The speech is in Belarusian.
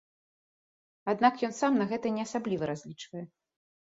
Аднак ён сам на гэта не асабліва разлічвае.